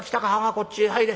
こっちへ入れ。